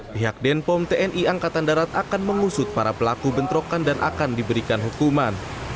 pihak denpom tni angkatan darat akan mengusut para pelaku bentrokan dan akan diberikan hukuman